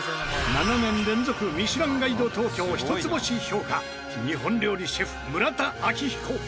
７年連続『ミシュランガイド東京』一つ星評価日本料理シェフ村田明彦。